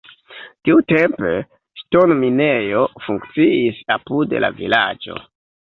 Tiutempe ŝtonminejo funkciis apud la vilaĝo.